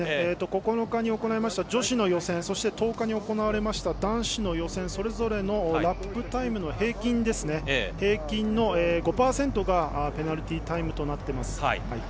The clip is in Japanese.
９日に行われました女子の予選そして１０日に行われました男子の予選それぞれのラップタイムの平均の５％がペナルティータイムとなっています。